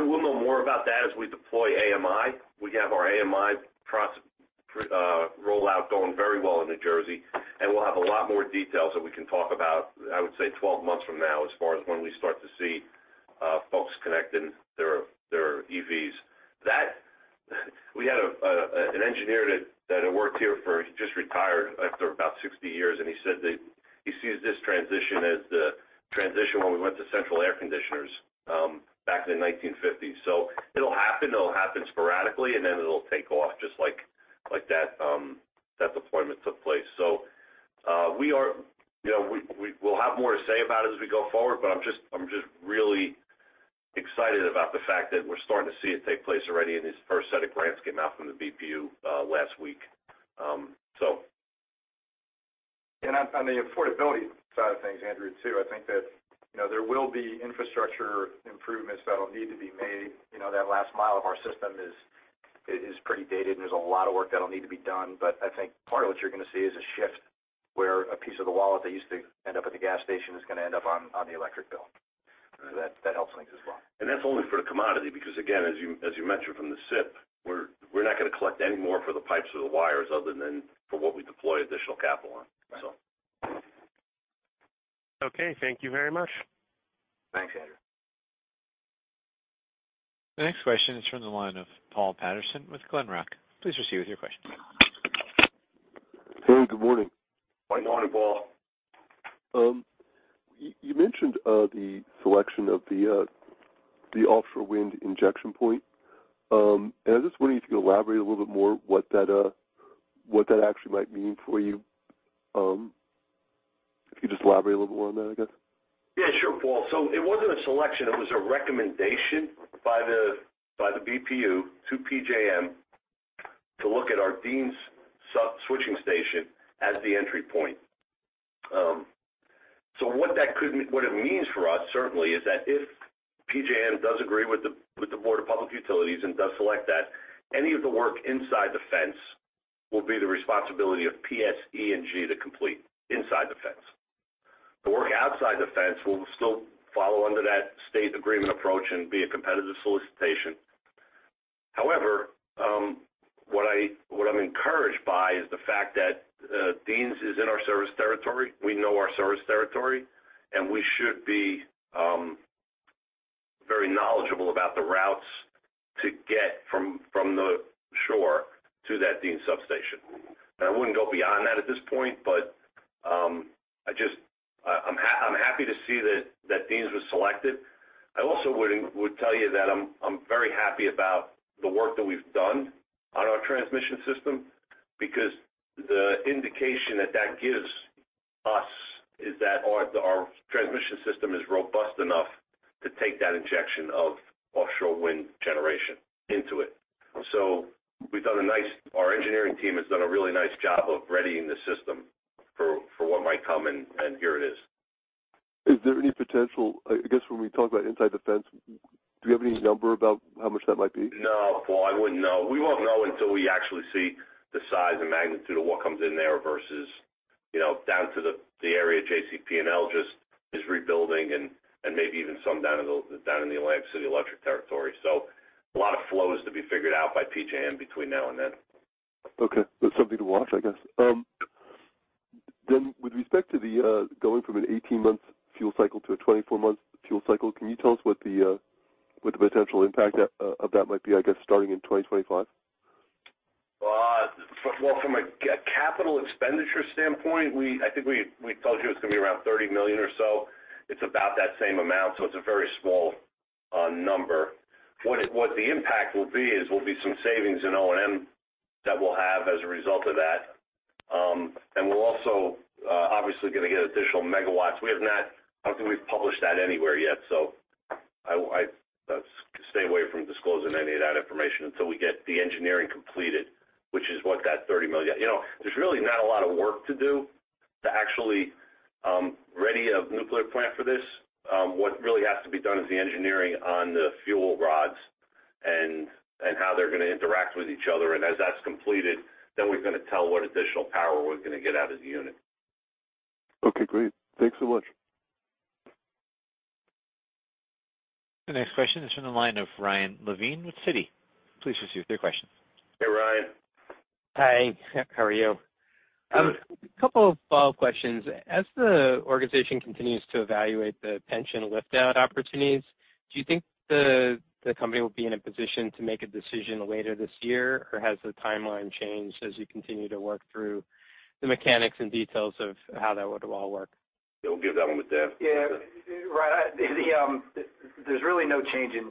we'll know more about that as we deploy AMI. We have our AMI rollout going very well in New Jersey, and we'll have a lot more details that we can talk about, I would say 12 months from now, as far as when we start to see folks connecting their EVs. We had an engineer that had worked here for... He just retired after about 60 years, and he said that he sees this transition as the transition when we went to central air conditioners back in the 1950s. It'll happen. It'll happen sporadically, and then it'll take off just like that deployment took place you know, we'll have more to say about it as we go forward, but I'm just really excited about the fact that we're starting to see it take place already, and this first set of grants came out from the BPU last week, so. On the affordability side of things, Andrew, too, I think that, you know, there will be infrastructure improvements that'll need to be made. You know, that last mile of our system is pretty dated. There's a lot of work that'll need to be done. I think part of what you're gonna see is a shift where a piece of the wallet that used to end up at the gas station is gonna end up on the electric bill. That helps things as well. That's only for the commodity because again, as you mentioned from the CIP, we're not gonna collect any more for the pipes or the wires other than for what we deploy additional capital on. Okay. Thank you very much. Thanks, Andrew. The next question is from the line of Paul Patterson with Glenrock. Please proceed with your question. Hey, good morning. Good morning, Paul. You mentioned the selection of the offshore wind injection point. I'm just wondering if you could elaborate a little bit more what that actually might mean for you. If you could just elaborate a little more on that, I guess. Yeah, sure, Paul. It wasn't a selection. It was a recommendation by the BPU to PJM to look at our Deans sub-switching station as the entry point. What it means for us certainly is that if PJM does agree with the Board of Public Utilities and does select that, any of the work inside the fence will be the responsibility of PSE&G to complete inside the fence. The work outside the fence will still follow under that State Agreement Approach and be a competitive solicitation. However, what I'm encouraged by is the fact that Deans is in our service territory. We know our service territory, and we should be very knowledgeable about the routes to get from the shore to that Deans substation. I wouldn't go beyond that at this point, but I'm happy to see that Deans was selected. I also would tell you that I'm very happy about the work that we've done on our transmission system because the indication that that gives us is that our transmission system is robust enough to take that injection of offshore wind generation into it. Our engineering team has done a really nice job of readying the system for what might come, and here it is. Is there any potential, I guess when we talk about inside the fence, do you have any number about how much that might be? No, Paul, I wouldn't know. We won't know until we actually see the size and magnitude of what comes in there versus, you know, down to the area JCP&L just is rebuilding and maybe even some down in the Atlantic City Electric territory. A lot of flow is to be figured out by PJM between now and then. Okay. That's something to watch, I guess. With respect to the going from an 18-month fuel cycle to a 24-month fuel cycle, can you tell us what the potential impact of that might be, I guess, starting in 2025? well, from a capital expenditure standpoint, I think we told you it's gonna be around $30 million or so. It's about that same amount, so it's a very small number. What the impact will be is will be some savings in O&M that we'll have as a result of that. We're also obviously gonna get additional megawatts. We have not... I don't think we've published that anywhere yet, so I'd stay away from disclosing any of that information until we get the engineering completed, which is what that $30 million... You know, there's really not a lot of work to do to actually ready a nuclear plant for this. What really has to be done is the engineering on the fuel rods and how they're gonna interact with each other. As that's completed, then we're gonna tell what additional power we're gonna get out of the unit. Okay, great. Thanks so much. The next question is from the line of Ryan Levine with Citi. Please proceed with your question. Hey, Ryan. Hi, how are you? Good. A couple of follow-up questions. As the organization continues to evaluate the pension lift-out opportunities, do you think the company will be in a position to make a decision later this year, or has the timeline changed as you continue to work through the mechanics and details of how that would all work? Yeah, we'll give that one to Dan. Yeah. Ryan, I the, there's really no change in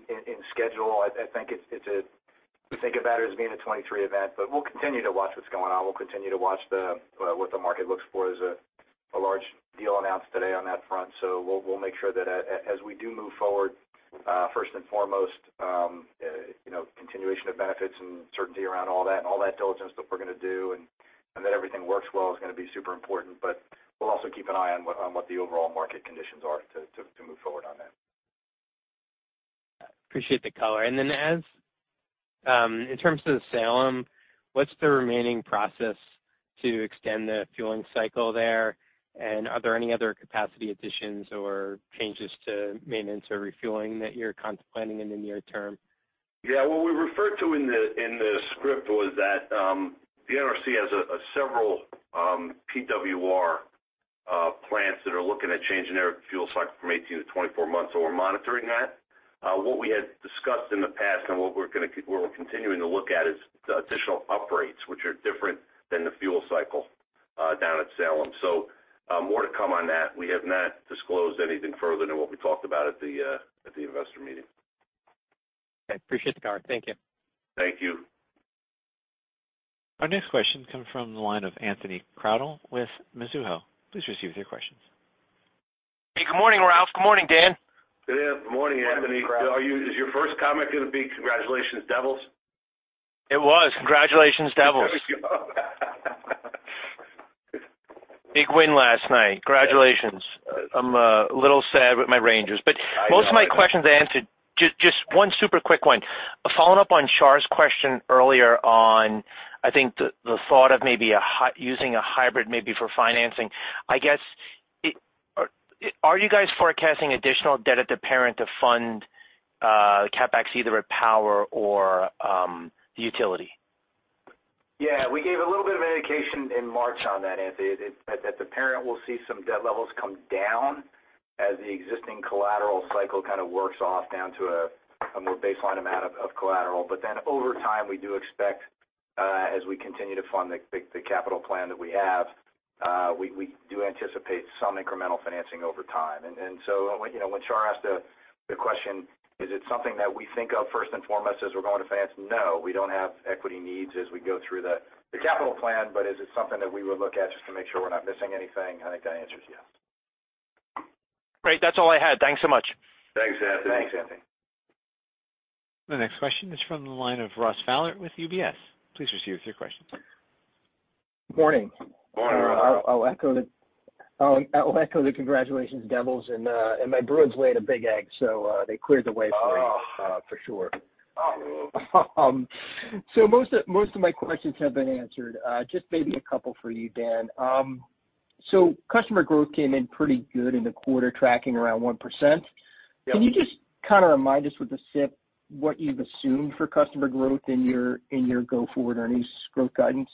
schedule. I think we think about it as being a 23 event, but we'll continue to watch what's going on. We'll continue to watch the, what the market looks for. There's a large deal announced today on that front. We'll make sure that as we do move forward, first and foremost, you know, continuation of benefits and certainty around all that and all that diligence that we're gonna do and that everything works well is gonna be super important. We'll also keep an eye on what the overall market conditions are to move forward on that. Appreciate the color. Then as in terms of Salem, what's the remaining process to extend the fueling cycle there? Are there any other capacity additions or changes to maintenance or refueling that you're contemplating in the near term? What we referred to in the script was that the NRC has several PWR plants that are looking at changing their fuel cycle from 18 to 24 months, so we're monitoring that. What we had discussed in the past and what we're continuing to look at is the additional upgrades, which are different than the fuel cycle, down at Salem. More to come on that. We have not disclosed anything further than what we talked about at the investor meeting. Okay. Appreciate the color. Thank you. Thank you. Our next question comes from the line of Anthony Crowdell with Mizuho. Please proceed with your questions. Hey, good morning, Ralph. Good morning, Dan. Good day. Good morning, Anthony. Is your first comment gonna be congratulations, Devils? It was. Congratulations, Devils. There we go. Big win last night. Congratulations. I'm a little sad with my Rangers. I know. Most of my questions are answered. Just one super quick one. Following up on Shar question earlier on, I think the thought of maybe using a hybrid maybe for financing. I guess, are you guys forecasting additional debt at the parent to fund CapEx either at Power or the utility? Yeah, we gave a little bit of an indication in March on that, Anthony, that the parent will see some debt levels come down as the existing collateral cycle kind of works off down to a more baseline amount of collateral. Over time, we do expect, as we continue to fund the capital plan that we have, we do anticipate some incremental financing over time. So, you know, when Char asked the question, is it something that we think of first and foremost as we're going to finance? No, we don't have equity needs as we go through the capital plan. Is it something that we would look at just to make sure we're not missing anything? I think that answer is yes. Great. That's all I had. Thanks so much. Thanks, Anthony. Thanks, Anthony. The next question is from the line of Ross Fowler with UBS. Please proceed with your question. Morning. Morning, Ross. I'll echo the congratulations, Devils, and my Bruins laid a big egg, so they cleared the way for you... Oh. For sure. Most of my questions have been answered. Just maybe a couple for you, Dan. Customer growth came in pretty good in the quarter, tracking around 1%. Yeah. Can you just kind of remind us with the SIP what you've assumed for customer growth in your, in your go-forward earnings growth guidance?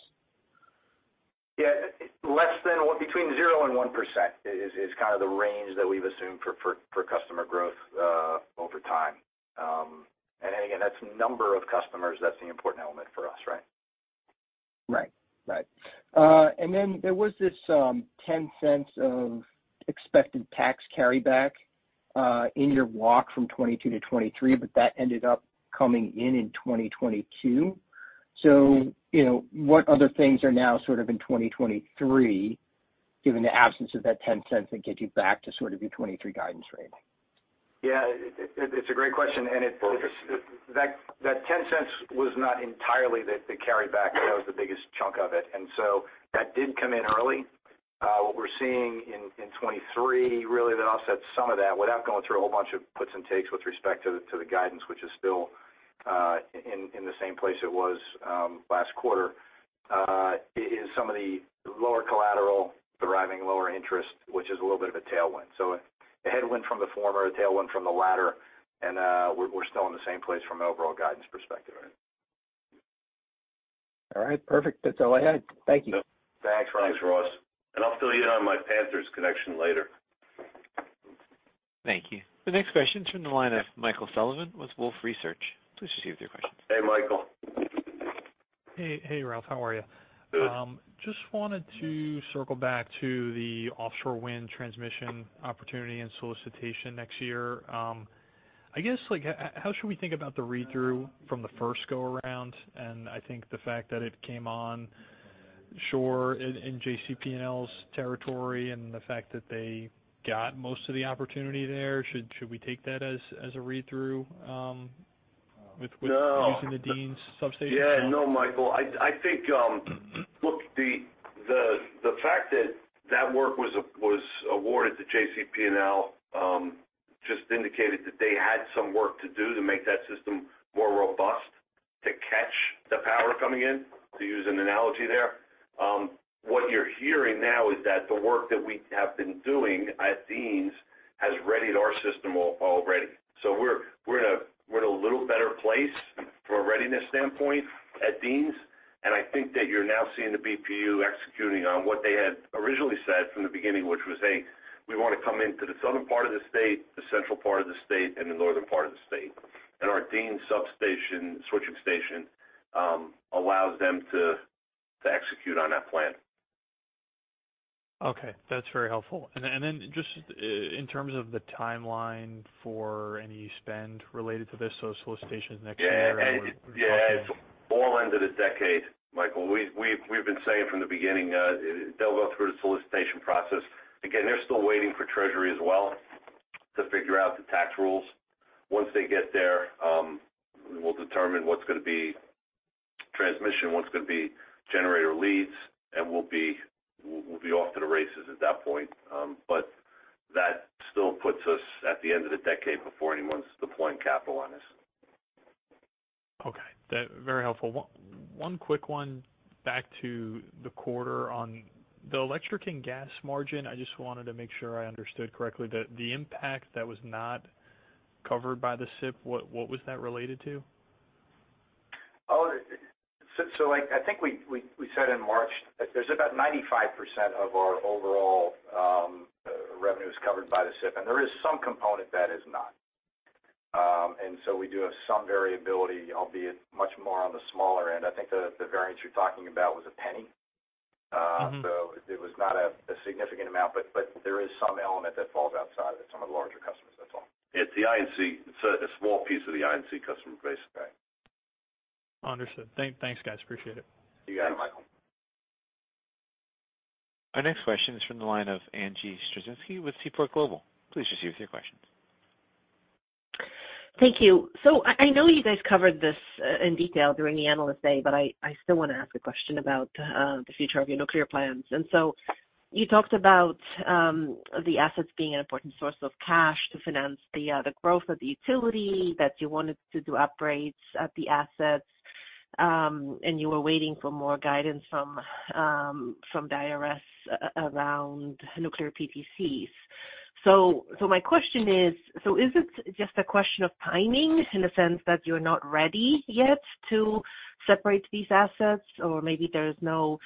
Yeah. Less than or between 0% and 1% is kind of the range that we've assumed for customer growth over time. Again, that's number of customers. That's the important element for us, right? Right. Right. There was this $0.10 of expected tax carryback in your walk from 2022 to 2023. That ended up coming in in 2022. You know, what other things are now sort of in 2023, given the absence of that $0.10 that get you back to sort of your 2023 guidance range? Yeah. It's a great question. That $0.10 was not entirely the carryback, but that was the biggest chunk of it. That did come in early. What we're seeing in 23 really that offsets some of that, without going through a whole bunch of puts and takes with respect to the guidance, which is still in the same place it was last quarter, is some of the lower collateral deriving lower interest, which is a little bit of a tailwind. A headwind from the former, a tailwind from the latter, and we're still in the same place from an overall guidance perspective. All right. Perfect. That's all I had. Thank you. Thanks, Ross. Thanks, Ross. I'll fill you in on my Panthers connection later. Thank you. The next question is from the line of Michael Sullivan with Wolfe Research. Please proceed with your question. Hey, Michael. Hey, hey, Ralph. How are you? Good. Just wanted to circle back to the offshore wind transmission opportunity and solicitation next year. I guess, like, how should we think about the read-through from the first go-around? I think the fact that it came on shore in JCP&L's territory and the fact that they got most of the opportunity there. Should we take that as a read-through? No. -using the Deans substation? No, Michael, I think, look, the fact that that work was awarded to JCP&L just indicated that they had some work to do to make that system more robust, to catch the power coming in, to use an analogy there. What you're hearing now is that the work that we have been doing at Deans has readied our system already. We're in a little better place from a readiness standpoint at Deans. I think that you're now seeing the BPU executing on what they had originally said from the beginning, which was, "Hey, we want to come into the southern part of the state, the central part of the state, and the northern part of the state." Our Deans substation switching station allows them to execute on that plan. Okay, that's very helpful. Then just in terms of the timeline for any spend related to this. Solicitation is next year. Yeah. Yeah. It's all end of the decade, Michael. We've been saying from the beginning, they'll go through the solicitation process. Again, they're still waiting for Treasury as well to figure out the tax rules. Once they get there, we will determine what's gonna be transmission, what's gonna be generator leads, and we'll be off to the races at that point. That still puts us at the end of the decade before anyone's deploying capital on this. Okay. Very helpful. One quick one back to the quarter on the electric and gas margin. I just wanted to make sure I understood correctly the impact that was not covered by the SIP. What was that related to? I think we said in March that there's about 95% of our overall revenues covered by the SIP, and there is some component that is not. We do have some variability, albeit much more on the smaller end. I think the variance you're talking about was $0.01. Mm-hmm. It was not a significant amount, but there is some element that falls outside of it, some of the larger customers, that's all. It's the I&C. It's a small piece of the I&C customer base. Right. Understood. Thanks, guys. Appreciate it. You got it, Michael. Our next question is from the line of Angie Storozynski with Seaport Global. Please proceed with your questions. Thank you. I know you guys covered this in detail during the analyst day, but I still wanna ask a question about the future of your nuclear plans. You talked about the assets being an important source of cash to finance the growth of the utility, that you wanted to do upgrades at the assets, and you were waiting for more guidance from IRS around nuclear PTCs. My question is it just a question of timing in the sense that you're not ready yet to separate these assets? Or maybe there is no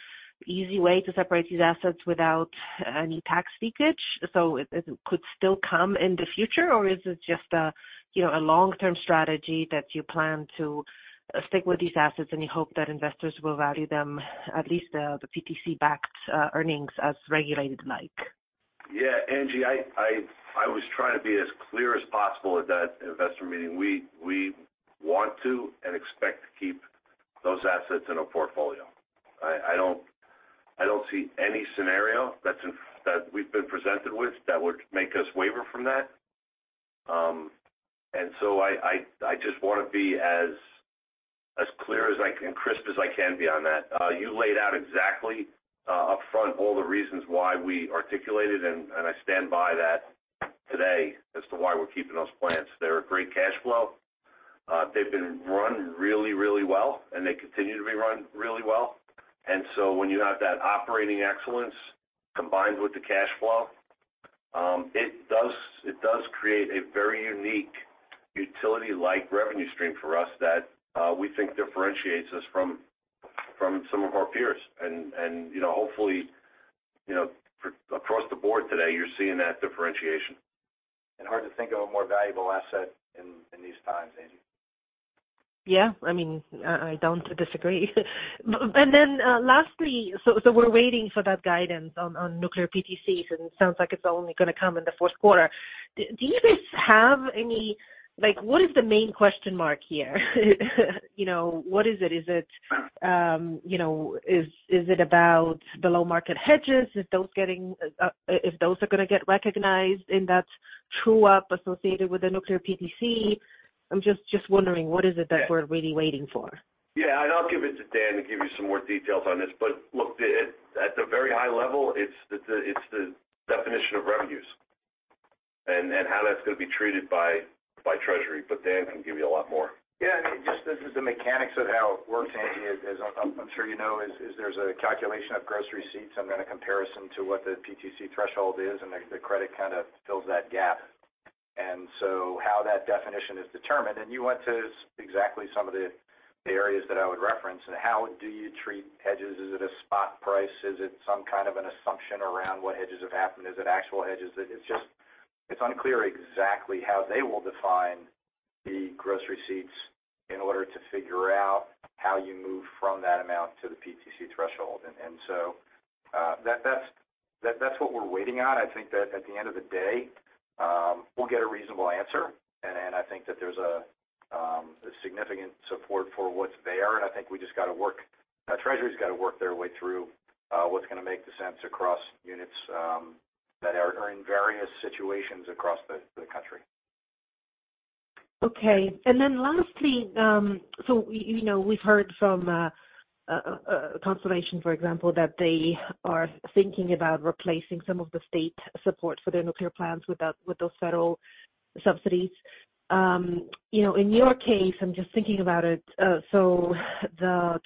easy way to separate these assets without any tax leakage, so it could still come in the future? Or is it just a, you know, a long-term strategy that you plan to stick with these assets and you hope that investors will value them, at least the PTC-backed earnings as regulated like? Angie, I was trying to be as clear as possible at that investor meeting. We want to and expect to keep those assets in a portfolio. I don't see any scenario that we've been presented with that would make us waver from that. So I just wanna be as clear as I can and crisp as I can be on that. You laid out exactly upfront all the reasons why we articulated, and I stand by that today as to why we're keeping those plants. They're a great cash flow. They've been run really well, and they continue to be run really well. When you have that operating excellence combined with the cash flow, it does create a very unique utility-like revenue stream for us that we think differentiates us from some of our peers. You know, hopefully, you know, for across the board today, you're seeing that differentiation. Hard to think of a more valuable asset in these times, Angie. Yeah. I mean, I don't disagree. Lastly, so we're waiting for that guidance on nuclear PTCs, and it sounds like it's only gonna come in the fourth quarter. Like, what is the main question mark here? You know, what is it? Is it, you know, is it about below-market hedges? Is those getting, if those are gonna get recognized in that true-up associated with the nuclear PTC? I'm just wondering what is it that we're really waiting for. Yeah, I'll give it to Dan to give you some more details on this. Look, at the very high level, it's the definition of revenues and how that's gonna be treated by Treasury. Dan can give you a lot more. Yeah. I mean, just this is the mechanics of how it works, Angie. As I'm sure you know, there's a calculation of gross receipts and then a comparison to what the PTC threshold is, and the credit kind of fills that gap. How that definition is determined, and you went to exactly some of the areas that I would reference. How do you treat hedges? Is it a spot price? Is it some kind of an assumption around what hedges have happened? Is it actual hedges? It's just, it's unclear exactly how they will define the gross receipts in order to figure out how you move from that amount to the PTC threshold. That's what we're waiting on. I think that at the end of the day, we'll get a reasonable answer. I think that there's a significant support for what's there. I think Treasury's gotta work their way through what's gonna make the sense across units that are in various situations across the country. Okay. Lastly, you know, we've heard from Constellation, for example, that they are thinking about replacing some of the state support for their nuclear plants with that, with those federal subsidies. You know, in your case, I'm just thinking about it. The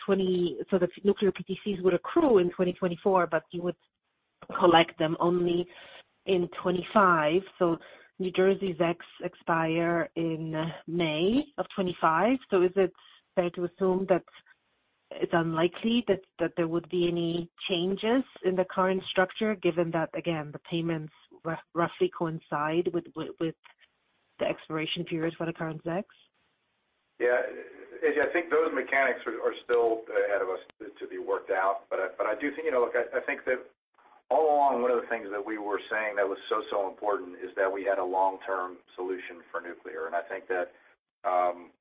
nuclear PTCs would accrue in 2024, but you would collect them only in 2025. New Jersey's ZECS expire in May of 2025. Is it fair to assume that it's unlikely that there would be any changes in the current structure given that, again, the payments roughly coincide with the expiration periods for the current ZECS? Yeah, Angie, I think those mechanics are still ahead of us to be worked out. I do think, you know, look, I think that all along, one of the things that we were saying that was so important is that we had a long-term solution for nuclear. I think that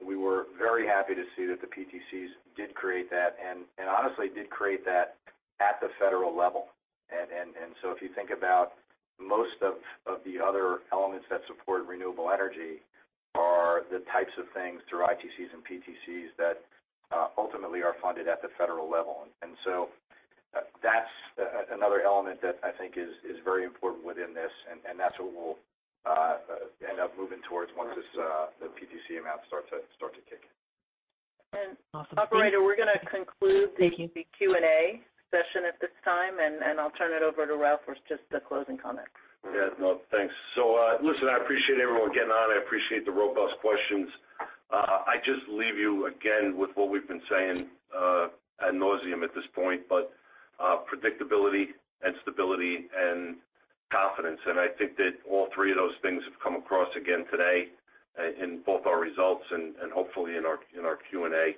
we were very happy to see that the PTCs did create that and honestly did create that at the federal level. If you think about most of the other elements that support renewable energy are the types of things through ITCs and PTCs that ultimately are funded at the federal level. That's another element that I think is very important within this, and that's what we'll end up moving towards once this, the PTC amounts start to kick in. Awesome. Thank you. Operator, we're gonna conclude the Q&A session at this time, and I'll turn it over to Ralph for just the closing comments. Yeah. No, thanks. Listen, I appreciate everyone getting on. I appreciate the robust questions. I just leave you again with what we've been saying, ad nauseam at this point, but predictability and stability and confidence. I think that all three of those things have come across again today in both our results and hopefully in our Q&A.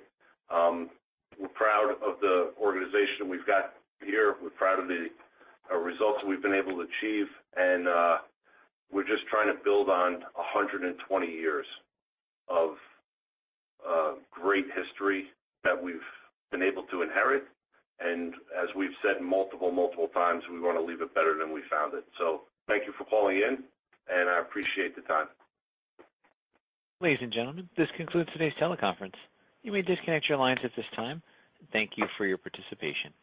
We're proud of the organization we've got here. We're proud of the results we've been able to achieve. We're just trying to build on 120 years of great history that we've been able to inherit. As we've said multiple times, we wanna leave it better than we found it. Thank you for calling in, and I appreciate the time. Ladies and gentlemen, this concludes today's teleconference. You may disconnect your lines at this time. Thank you for your participation.